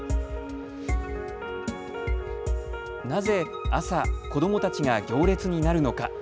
なぜ朝、子どもたちが行列になるのか。